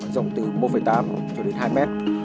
dòng từ một tám cho đến hai năm km